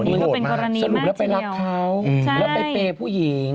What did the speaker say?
อันนี้ก็เป็นกรณีสรุปแล้วไปรับเขาแล้วไปเปย์ผู้หญิง